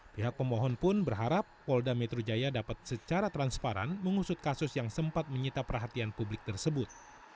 pihak pemohon pun berharap polda metro jaya dapat secara transparan mengusut kasus yang sempat menyita perhatian publik tersebut